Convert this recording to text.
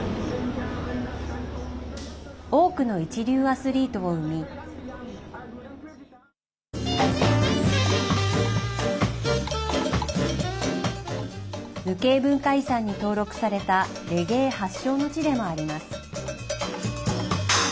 多くの一流アスリートを生み無形文化遺産に登録されたレゲエ発祥の地でもあります。